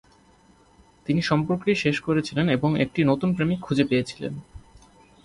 তিনি সম্পর্কটি শেষ করেছিলেন এবং একটি নতুন প্রেমিক খুঁজে পেয়েছিলেন।